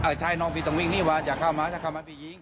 ใช่น้องพี่ต้องวิ่งนี่ว่าอย่าเข้ามาอย่าเข้ามาพี่ยิง